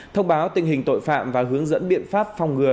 thông báo tình hình tội phạm và hướng dẫn biện pháp phòng ngừa